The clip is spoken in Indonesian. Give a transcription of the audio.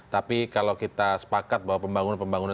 tapi kalau kita sepakat bahwa pembangunan pembangunan